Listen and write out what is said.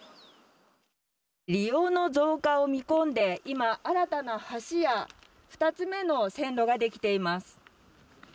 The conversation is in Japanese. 利用の増加を見込んで今、新たな橋や２つ目の線路が出来ています。